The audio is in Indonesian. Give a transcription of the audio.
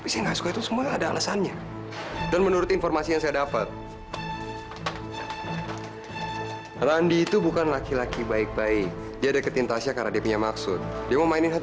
sampai jumpa di video selanjutnya